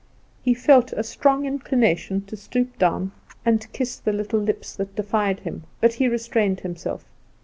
He felt a strong inclination to stoop down and kiss the little lips that defied him; but he restrained himself.